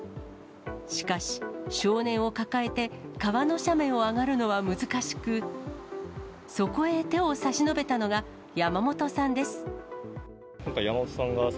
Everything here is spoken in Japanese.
しかし、少年を抱えて川の斜面を上がるのは難しく、そこへ手を差し伸べたのが山本さんです。